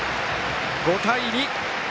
５対２。